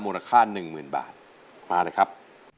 มูลค่า๑๐๐๐บาทมาเลยครับ